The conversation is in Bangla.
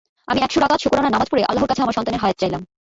আমি এক শ রাকাত শোকরানা নামাজ পড়ে আল্লাহ্র কাছে আমার সন্তানের হায়াত চাইলাম।